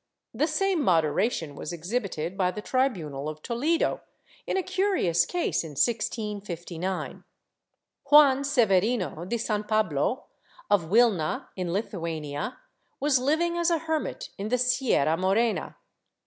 ^ The same moderation was exhibited by the tribunal of Toledo, in a curious case, in 1659. Juan Severino de San Pablo, of Wilna in Lithuania, was living as a hermit in the Sierra Morena.